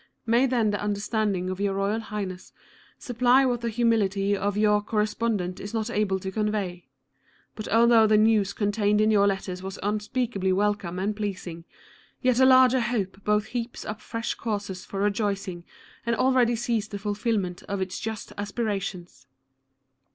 May then the understanding of your Koyal Highness supply what the humility of your cor respondent is not able to convey. But although the news contained in your letter was unspeakably welcome and pleasing, yet a larger hope both heaps up fresh causes for rejoicing, and already sees the fulfilment of its just aspirations.